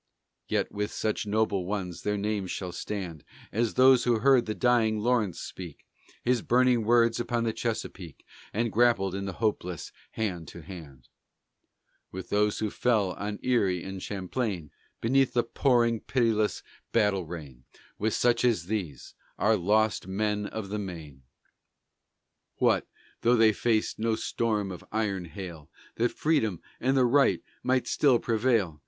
Yea, with such noble ones their names shall stand As those who heard the dying Lawrence speak His burning words upon the Chesapeake, And grappled in the hopeless hand to hand; With those who fell on Erie and Champlain Beneath the pouring, pitiless battle rain: With such as these, our lost men of the Maine! What though they faced no storm of iron hail That freedom and the right might still prevail?